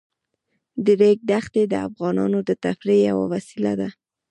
د ریګ دښتې د افغانانو د تفریح یوه وسیله ده.